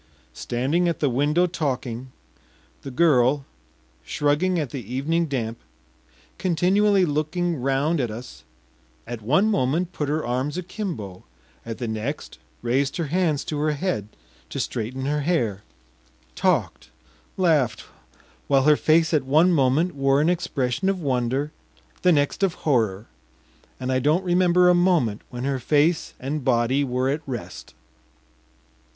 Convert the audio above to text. Standing at the window talking, the girl, shrugging at the evening damp, continually looking round at us, at one moment put her arms akimbo, at the next raised her hands to her head to straighten her hair, talked, laughed, while her face at one moment wore an expression of wonder, the next of horror, and I don’t remember a moment when her face and body were at rest.